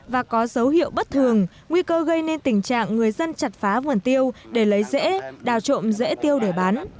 và có dấu hiệu bất thường nguy cơ gây nên tình trạng người dân chặt phá vườn tiêu để lấy rễ đào trộm rễ tiêu để bán